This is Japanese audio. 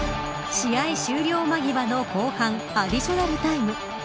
試合終了間際の後半アディショナルタイム。